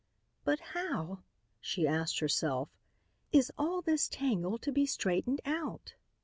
"But how," she asked herself, "is all this tangle to be straightened out?